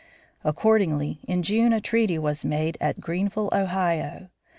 Accordingly, in June a treaty was made at Greenville, Ohio.